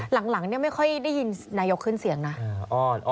หลังเนี่ยไม่ค่อยได้ยินนายกขึ้นเสียงนะ